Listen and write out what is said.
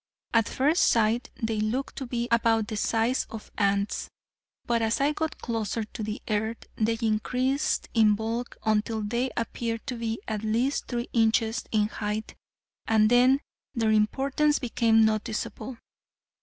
At first sight they looked to be about the size of ants, but as I got closer to the earth they increased in bulk until they appeared to be at least three inches in height, and then their importance became noticeable.